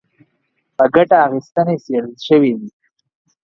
په ګټه اخیستنې څېړل شوي دي